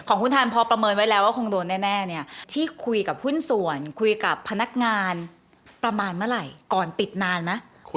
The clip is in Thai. ของคุณทันพอประเมินไว้แล้วว่าคงโดนแน่เนี่ยที่คุยกับหุ้นส่วนคุยกับพนักงานประมาณเมื่อไหร่ก่อนปิดนานไหม